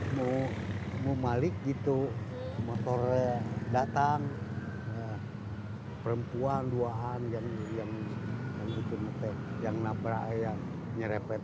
untuk membalik itu motornya datang perempuan duaan yang yang yang mencintai yang nabrak yang nyerepet